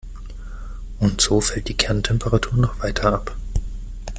Und so fällt die Kerntemperatur noch weiter ab.